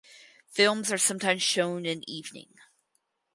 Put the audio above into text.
Films are sometimes shown in evening.